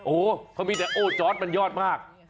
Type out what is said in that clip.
โอ้โหเขามีแต่โอ้จอร์ดมันยอดมาก